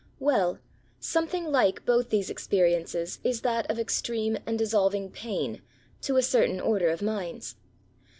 Well, — some thing like both these experiences is that of extreme and dissolving pain, to a certain order of minds.